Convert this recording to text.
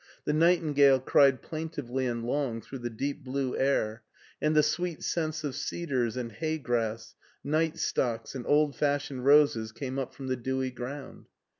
The nightingale cried plaintively and long through the deep blue air, and the sweet scents of cedars and hay grass, night stocks, and old fashioned roses came up from the dewy ground.